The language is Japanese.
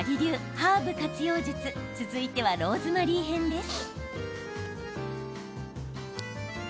ハーブ活用術続いてはローズマリー編です。